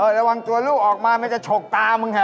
เออระวังตัวลูกออกมาไม่จะฉกตามึงค่ะ